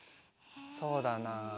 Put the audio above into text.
そうだな。